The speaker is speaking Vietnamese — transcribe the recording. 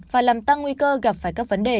và làm tăng nguy cơ gặp phải các vấn đề